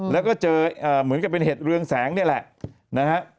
แล้วก็เจอเหมือนกับเป็นเห็ดเรืองแสงนี่แหละนะฮะ